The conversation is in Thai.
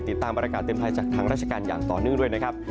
ติดตามประกาศเตือนภัยจากทางราชการอย่างต่อเนื่องด้วยนะครับ